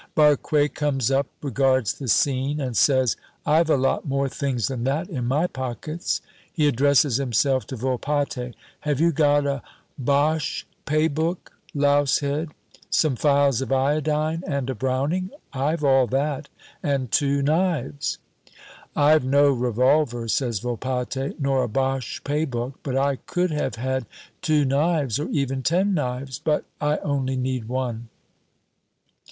Barque comes up, regards the scene, and says, "I've a lot more things than that in my pockets." He addresses himself to Volpatte. "Have you got a Boche pay book, louse head, some phials of iodine, and a Browning? I've all that, and two knives." "I've no revolver," says Volpatte, "nor a Boche pay book, but I could have had two knives or even ten knives; but I only need one."